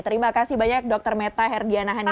terima kasih banyak dokter meta herdiana hanedita